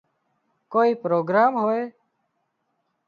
ڪوئي پروگرام هوئي